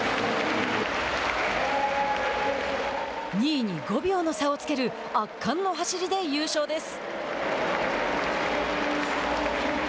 ２位に５秒の差をつける圧巻の走りで優勝です。